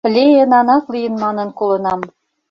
Леэнанат лийын манын колынам.